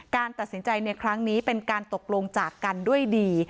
ตัดสินใจในครั้งนี้เป็นการตกลงจากกันด้วยดี